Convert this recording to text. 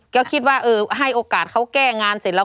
ก็คิดว่าเออให้โอกาสเขาแก้งานเสร็จแล้ว